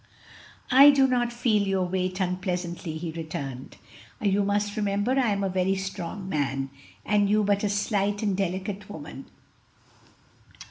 "I do not feel your weight unpleasantly," he returned. "You must remember I am a very strong man, and you but a slight and delicate woman.